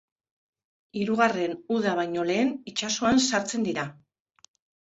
Hirugarren uda baino lehen itsasoan sartzen dira.